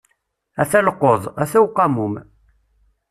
Ata llqeḍ, ata uqamum.